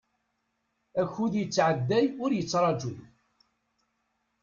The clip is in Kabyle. Akud yettɛedday ur yettraju.